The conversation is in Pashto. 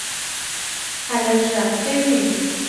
هلک غږ کوی